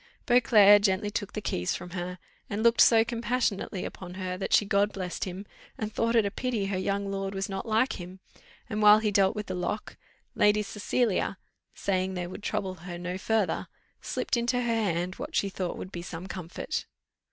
Beauclerc gently took the keys from her, and looked so compassionately upon her, that she God blessed him, and thought it a pity her young lord was not like him; and while he dealt with the lock, Lady Cecilia, saying they would trouble her no further, slipped into her hand what she thought would be some comfort.